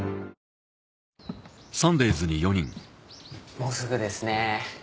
もうすぐですね